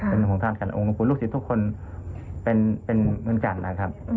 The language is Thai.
เป็นห่วงท่านกันองค์ของคุณลูกศิษย์ทุกคนเป็นเหมือนกันนะครับ